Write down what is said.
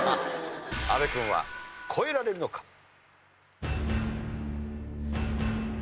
阿部君は越えられるのか？